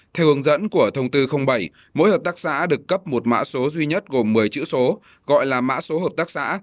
theo hướng dẫn của thông tư bảy mỗi hợp tác xã được cấp một mã số duy nhất gồm một mươi chữ số gọi là mã số hợp tác xã